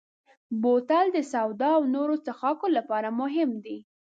بوتل د سوډا او نورو څښاکو لپاره مهم دی.